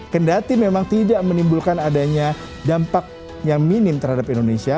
kendati memang tidak menimbulkan adanya dampak yang minim terhadap indonesia